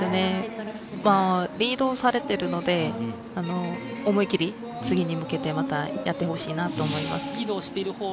リードされてるので思い切り次に向けてやってほしいなと思います。